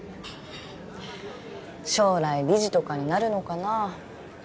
将来理事とかになるのかなあ